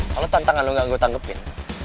kalau tantangan lo gak gue tanggepin